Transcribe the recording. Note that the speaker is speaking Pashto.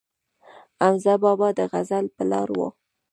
حمزه بابا د غزل پلار و